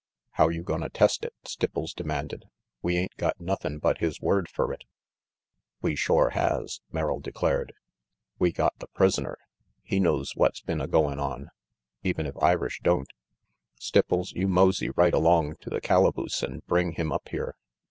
"How you gonna test it?" Stipples demanded. "We ain't got nothin' but his word fer it." "We shore has," Merrill declared. "We got the 198 RANGY PETE prisoner. He knows what's been a goin' on, even if Irish don't. Stipples, you mosey right along to the calaboose an' bring him up here.